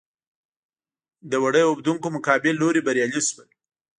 د وړۍ اوبدونکو مقابل لوری بریالي شول.